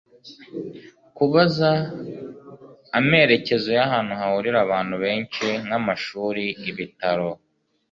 kubaza amerekezo y'ahantu hahurira abantu benshi nk'amashuri, ibitaro